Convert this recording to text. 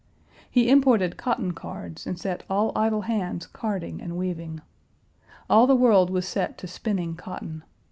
He imported cotton cards and set all idle hands carding and weaving. All the world was set to spinning cotton.